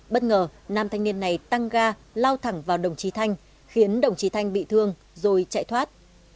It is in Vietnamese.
bất ngờ nam thanh niên này tăng ga lao thẳng vào đồng chí thanh khiến đồng chí thanh bị thương rồi chạy thoát